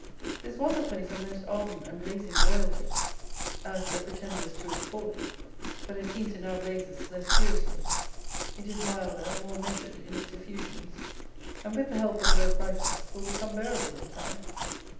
This was a place of most ardent and blazing loyalty, as the pretenders to it call it; but, it seems it now blazes less furiously; it is milder, more measured in its effusions; and, with the help of low prices, will become bearable in time.